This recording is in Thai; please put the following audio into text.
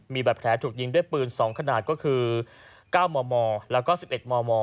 มีแบบแผลถูกยิงด้วยปืน๒ขนาดก็คือ๙มและ๑๑ม